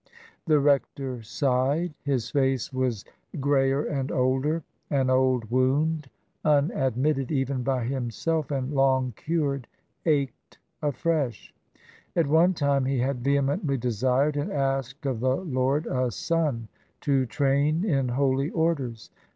The rector sighed; his face was grayer and older. An old wound — unadmitted even by himself and long cured — ached afresh. At one time he had vehemently desired and asked of the Lord a son to train in Holy Orders.